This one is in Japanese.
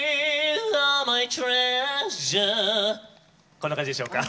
こんな感じでしょうか。